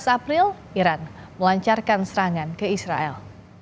tujuh belas april iran melancarkan serangan ke israel